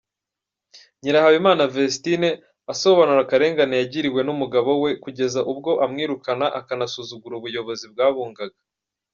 Nyirahabimana Vestine asobanura akarengane yagiriwe n’umugabo we kugeza ubwo amwirukana akanasuzugura ubuyobozi bwabungaga.